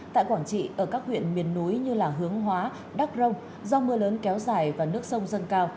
tại quảng trị ở các huyện miền núi như hướng hóa đắc rông do mưa lớn kéo dài và nước sông dâng cao